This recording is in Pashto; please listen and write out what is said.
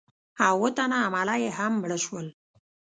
او اووه تنه عمله یې هم مړه شول.